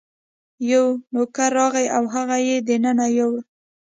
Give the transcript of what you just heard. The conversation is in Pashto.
یو نوکر راغی او هغه یې دننه یووړ.